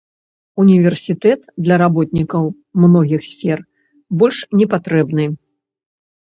Універсітэт для работнікаў многіх сфер больш не патрэбны.